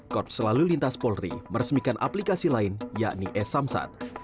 korps selalu lintas polri meresmikan aplikasi lain yakni e samsat